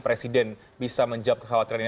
presiden bisa menjawab kekhawatiran ini